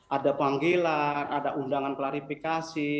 ada panggilan ada undangan klarifikasi